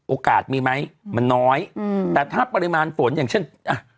โอกาสมีไหมมันน้อยอืมแต่ถ้าปริมาณฝนอย่างเช่นอ่ะ